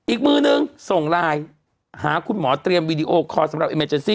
อีกมือนึงส่งไลน์หาคุณหมอเตรียมวีดีโอคอร์สำหรับเอเมเจซี่